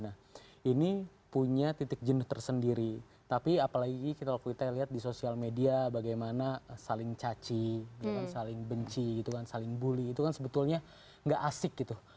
nah ini punya titik jenuh tersendiri tapi apalagi kalau kita lihat di sosial media bagaimana saling caci saling benci gitu kan saling bully itu kan sebetulnya nggak asik gitu